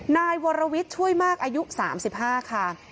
นายวรวิทย์ช่วยมากอายุ๓๕ค่ะ